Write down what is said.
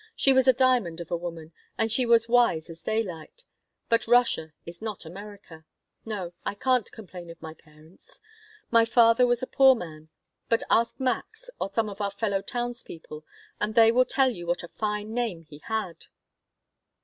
She was a diamond of a woman, and she was wise as daylight. But Russia is not America. No, I can't complain of my parents. My father was a poor man, but ask Max or some of our fellow townspeople and they will tell you what a fine name he had."